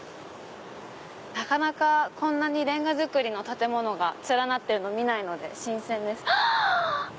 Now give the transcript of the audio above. なかなかこんなにレンガ造りの建物が連なってるの見ないので新鮮です。